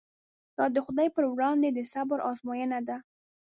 دا د خدای پر وړاندې د صبر ازموینه ده.